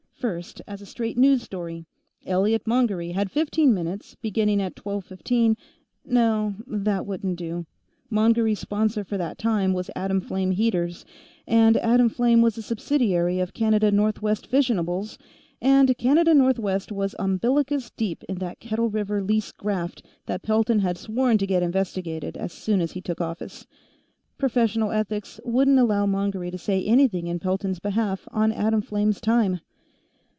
First as a straight news story; Elliot Mongery had fifteen minutes, beginning at 1215 no, that wouldn't do. Mongery's sponsor for that time was Atomflame Heaters, and Atomflame was a subsidiary of Canada Northwest Fissionables, and Canada Northwest was umbilicus deep in that Kettle River lease graft that Pelton had sworn to get investigated as soon as he took office. Professional ethics wouldn't allow Mongery to say anything in Pelton's behalf on Atomflame's time.